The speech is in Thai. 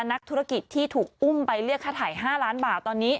นักธุรกิจที่ถูกอุ้มไปเรียกค่าถ่าย๕ล้านบาทตอนนี้